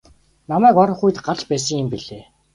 Намайг орох үед гарч байсан юм билээ.